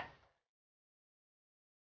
selamat mengalami papa